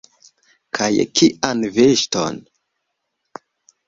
Kaj kian veŝton?